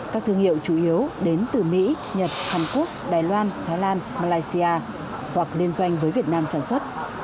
các thương hiệu chủ yếu đến từ mỹ nhật hàn quốc đài loan thái lan malaysia hoặc liên doanh với việt nam sản xuất